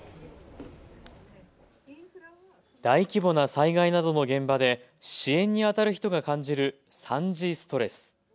大規模な災害などの現場で支援にあたる人が感じる惨事ストレス。